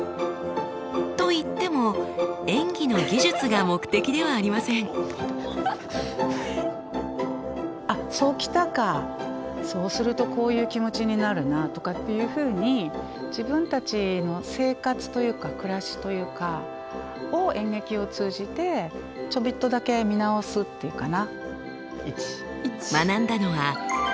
といっても演技の技術が目的ではありません。とかっていうふうに自分たちの生活というか暮らしというかを演劇を通じてちょびっとだけ見直すっていうかな。